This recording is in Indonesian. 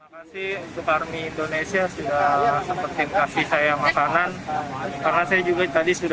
terima kasih juga